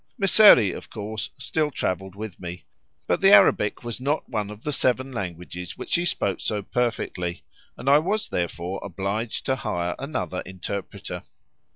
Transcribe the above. Mysseri, of course, still travelled with me, but the Arabic was not one of the seven languages which he spoke so perfectly, and I was therefore obliged to hire another interpreter.